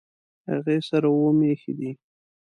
هغې سره اووه مېښې دي